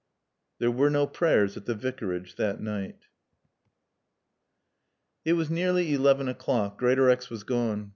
There were no prayers at the Vicarage that night. It was nearly eleven o'clock. Greatorex was gone.